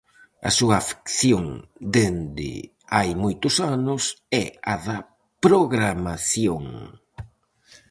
A súa afección dende hai moitos anos é a da programación.